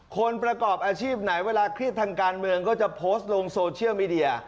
ประกอบอาชีพไหนเวลาเครียดทางการเมืองก็จะโพสต์ลงโซเชียลมีเดีย